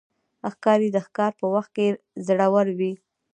ښکاري د ښکار په وخت کې زړور وي.